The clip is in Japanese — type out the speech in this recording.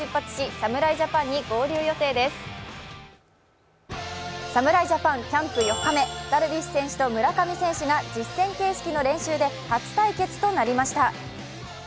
侍ジャパン、キャンプ４日目ダルビッシュ選手と村上選手が実戦形式の練習で初対決となりました。